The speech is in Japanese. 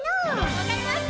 分かりました！